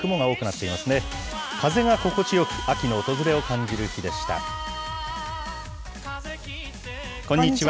風が心地よく、秋の訪れを感じるこんにちは。